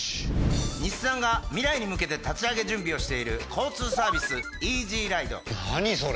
日産が未来に向けて立ち上げ準備をしている交通サービス何それ？